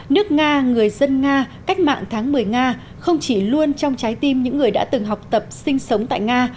nước nga người dân nga cách mạng tháng một mươi nga không chỉ luôn trong trái tim những người đã từng học tập sinh sống tại nga